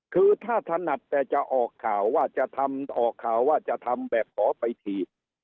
คือถ้าถนัดแต่จะออกข่าวว่าจะทำออกข่าวว่าจะทำแบบขอไปที